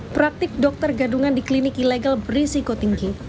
praktik dokter gadungan di klinik ilegal berisiko tinggi